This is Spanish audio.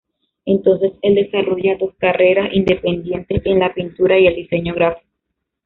Entonces el desarrolla dos carreras independientes: en la pintura y el diseño gráfico.